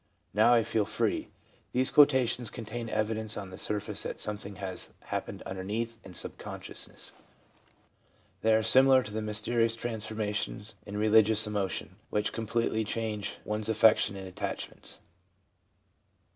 Now I feel free/ These quotations contain evidence on the surface that something has been happening underneath in sub consciousness. They are similar to the mys terious transformations in religious emotion, which completely change one's affections and attachments.